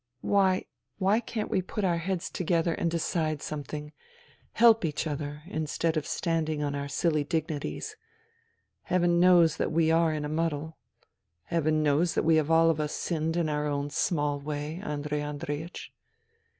Why, why can't we put our heads together and decide something, help each other. THE THREE SISTERS 53 instead of standing on our silly dignities ? Heaven knows that we are in a muddle. Heaven knows that we have all of us sinned in our own small way, Andrei Andreiech.